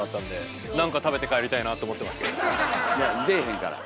いや出えへんから。